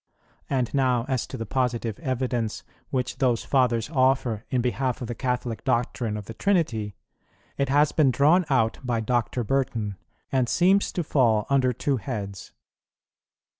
And now, as to the positive evidence which those Fathers offer in behalf of the Catholic doctrine of the Trinity, it has been drawn out by Dr. Burton and seems to fall under two heads.